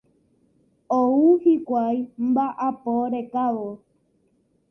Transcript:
Ou hikuái mba'apo rekávo.